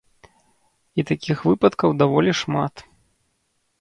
І такіх выпадкаў даволі шмат.